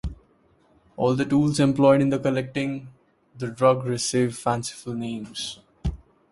All the tools employed in collecting the drug receive fanciful names.